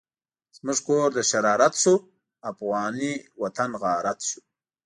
زموږ کور د شرارت شو، افغانی وطن غارت شو